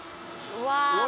うわ。